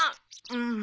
うん。